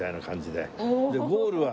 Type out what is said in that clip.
でゴールは。